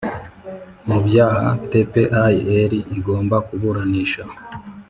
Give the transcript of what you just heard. mu byaha tpir igomba kuburanisha.